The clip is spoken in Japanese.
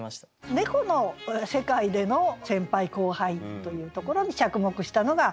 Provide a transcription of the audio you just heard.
猫の世界での先輩・後輩というところに着目したのが面白いですよね。